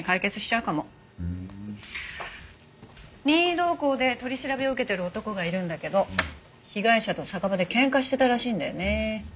任意同行で取り調べを受けてる男がいるんだけど被害者と酒場で喧嘩してたらしいんだよね。